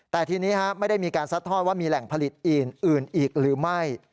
แต่ทีนี้ไม่ได้มีการซัดทอดว่ามีแหล่งผลิตอื่นอีกหรือไม่